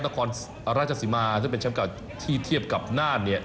นครราชสิมาซึ่งเป็นแชมป์เก่าที่เทียบกับน่านเนี่ย